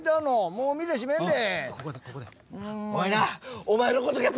もう店閉めんで。